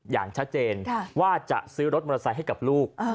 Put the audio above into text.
อย่างชัดเจนว่าจะซื้อรถมอเตอร์ไซค์ให้กับลูก